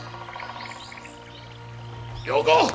良子！